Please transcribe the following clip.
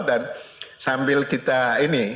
dan sambil kita ini